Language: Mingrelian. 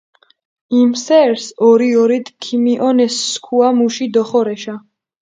იმ სერს ორი-ორით ქიმიჸონეს სქუა მუში დოხორეშა.